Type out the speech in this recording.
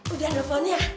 udah ada ponnya